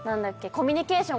コミュニケーション